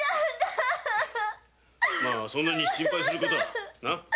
まあそんなに心配する事は。